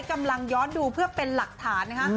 กำลังย้อนดูเพื่อเป็นหลักฐานนะคะ